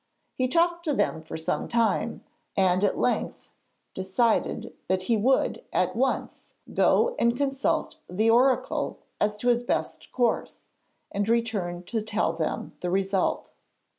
He talked to them for some time and at length decided that he would at once go and consult the oracle as to his best course, and return to tell them the result.